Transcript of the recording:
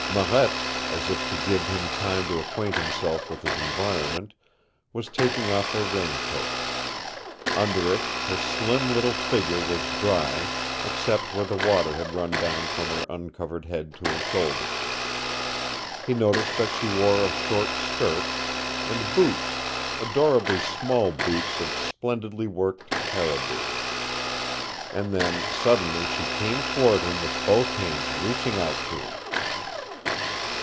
Marette, as if to give him time to acquaint himself with his environment, was taking off her raincoat. Under it her slim little figure was dry, except where the water had run down from her uncovered head to her shoulders. He noticed that she wore a short skirt, and boots, adorably small boots of splendidly worked caribou. And then suddenly she came toward him with both hands reaching out to him.